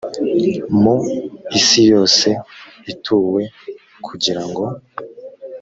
mu isi yose ituwe kugira ngo